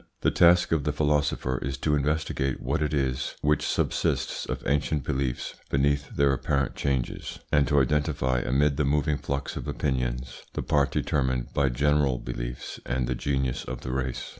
The task of the philosopher is to investigate what it is which subsists of ancient beliefs beneath their apparent changes, and to identify amid the moving flux of opinions the part determined by general beliefs and the genius of the race.